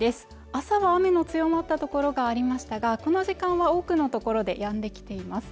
朝は雨の強まったところがありましたがこの時間は多くの所でやんできています